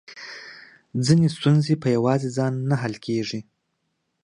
ځينې ستونزې په يواځې ځان نه حل کېږي .